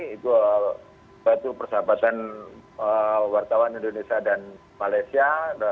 itu batu persahabatan wartawan indonesia dan malaysia